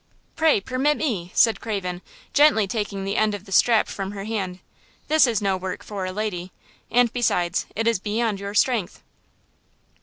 "Pray permit me," said Craven, gently taking the end of the strap from her hand; "this is no work for a lady, and, besides, is beyond your strength."